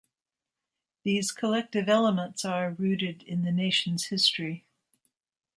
These collective elements are rooted in the nation's history.